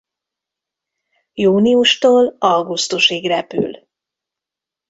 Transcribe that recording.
Júniustól augusztusig repül.